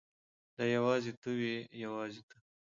دا یوازې ته وې یوازې ته.